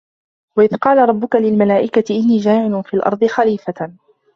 وَإِذْ قَالَ رَبُّكَ لِلْمَلَائِكَةِ إِنِّي جَاعِلٌ فِي الْأَرْضِ خَلِيفَةً